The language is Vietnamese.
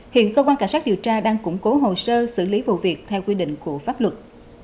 hiện cơ quan cảnh sát điều tra đang củng cố hồ sơ xử lý vụ việc theo quy định của pháp luật